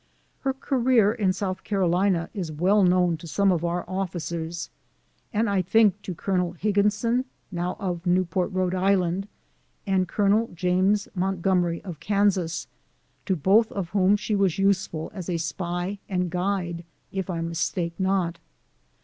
Her career in South Carolina is well known to some of our offi cers, and I think to Colonel Higginson, now of Newport, R. I., and Colonel James Montgomery, of Kansas, to both of whom she was useful as a spy and guide, if I mistake not.